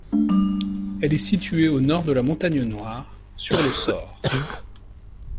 Elle est située au nord de la montagne Noire, sur le Sor.